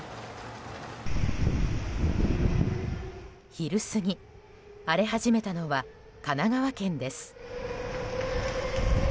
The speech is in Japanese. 昼過ぎ、荒れ始めたのは神奈川県です。